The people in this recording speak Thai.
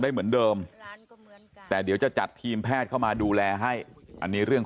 ได้เหมือนเดิมแต่เดี๋ยวจะจัดทีมแพทย์เข้ามาดูแลให้อันนี้เรื่อง